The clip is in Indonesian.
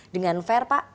dengan fair pak